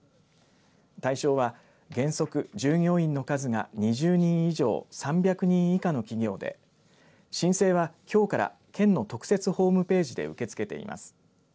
対象は原則従業員の数が２０人以上３００人以下の企業で申請はきょうから県の特設ホームページで受け付けています。